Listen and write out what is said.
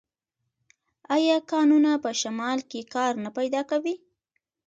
آیا کانونه په شمال کې کار نه پیدا کوي؟